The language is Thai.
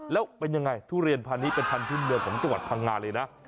แล้วเป็นยังไงทุเรียนพันธุ์นี้เป็นพันธุ์เมืองของจังหวัดพังงานเลยนะ